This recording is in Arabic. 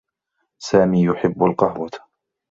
سامي يحبّ القهوة.